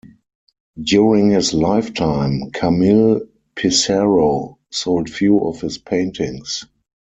During his lifetime, Camille Pissarro sold few of his paintings.